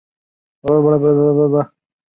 该物种的模式产地在堪察加。